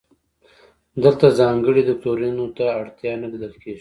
دلته ځانګړي دوکتورین ته اړتیا نه لیدل کیږي.